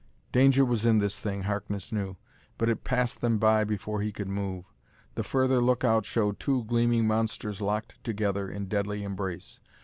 Danger was in this thing, Harkness knew, but it passed them by before he could move. The further lookout showed two gleaming monsters locked together in deadly embrace.